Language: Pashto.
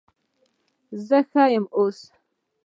زه ښه یم اوس